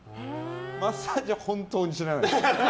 マッサージは本当に知らないです。